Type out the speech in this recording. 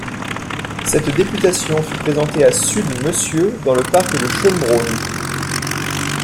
Cette députation fut présentée à sud Monsieur dans le parc de Schoenbrunn.